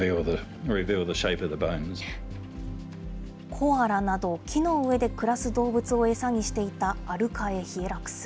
コアラなど、木の上で暮らす動物を餌にしていたアルカエヒエラクス。